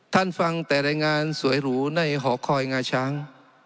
ท่านฟังแต่ละงานสวยหรูในหอคอยงาช้าง